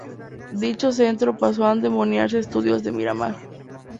Dicho centro pasó a denominarse Estudios de Miramar.